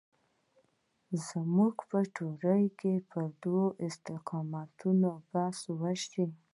زموږ په تیورۍ کې پر دوو استقامتونو بحث وشو.